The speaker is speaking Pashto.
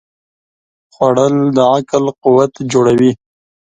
خوړل د عقل قوت جوړوي